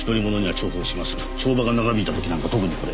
帳場が長引いた時なんか特にこれ。